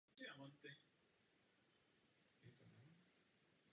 Film sleduje osudy představitelů filmu "The Falls" po pěti letech.